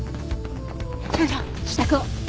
所長支度を。